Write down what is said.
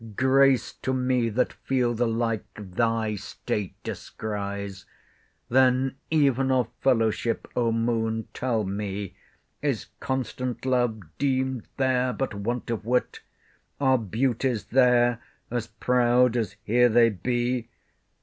grace To me, that feel the like, thy state descries. Then, even of fellowship, O Moon, tell me, Is constant love deem'd there but want of wit? Are beauties there as proud as here they be?